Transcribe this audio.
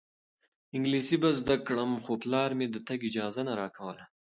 انګلیسي به زده کړم خو پلار مې د تګ اجازه نه راکوله.